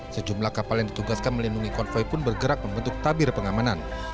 sejumlah kapal yang ditugaskan melindungi konvoy pun bergerak membentuk tabir pengamanan